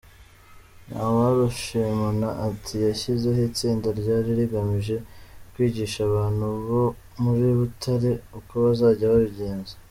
Ntawurushimana ati “Yashyizeho itsinda ryari rigamije kwigisha abantu bo muri Butare uko bazajya babigenza.